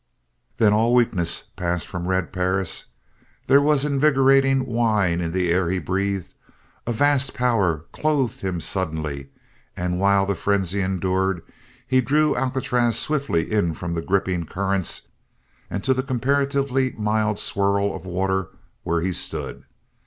Then all weakness passed from Red Perris; there was invigorating wine in the air he breathed; a vast power clothed him suddenly and while the frenzy endured he drew Alcatraz swiftly in from the gripping currents and to the comparatively mild swirl of water where he stood.